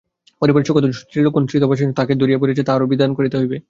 পরিবারের শোকাতুর স্ত্রীলোকগণ তীর্থবাসের জন্য তাহাকে ধরিয়া পড়িয়াছে তাহারও বিধান করিতে হইবে।